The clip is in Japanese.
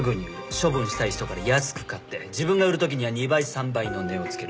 処分したい人から安く買って自分が売る時には２倍３倍の値を付ける。